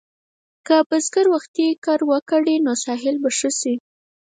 که بزګر وختي کر وکړي، نو حاصل به ښه شي.